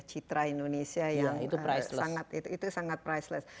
citra indonesia yang sangat priceless